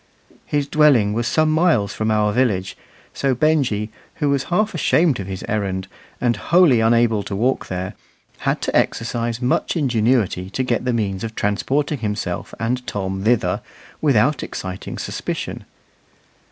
His dwelling was some miles from our village; so Benjy, who was half ashamed of his errand, and wholly unable to walk there, had to exercise much ingenuity to get the means of transporting himself and Tom thither without exciting suspicion.